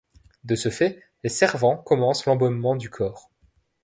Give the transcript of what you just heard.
De ce fait, les servants commencent l'embaumement du corps.